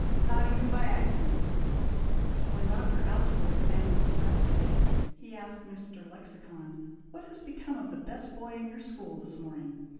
not even by accident! When Dr. Algebra examined our class to day, he asked Mr. Lexicon, 'What has become of the best boy in your school this morning?'